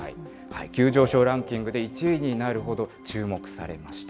急上昇ランキングで１位になるほど注目されました。